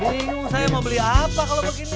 ini nyu saya mau beli apa kalau begini